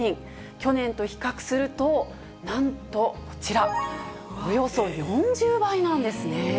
去年と比較すると、なんとこちら、およそ４０倍なんですね。